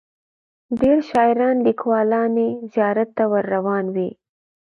ډیر شاعران لیکوالان یې زیارت ته ور روان وي.